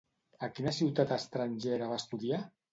A quina ciutat estrangera va estudiar?